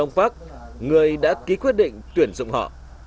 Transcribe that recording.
những người khởi kiện nhà trường người đã ký quyết định tuyển dụng họ